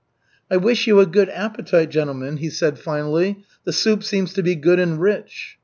"I wish you a good appetite, gentlemen," he said finally, "the soup seems to be good and rich."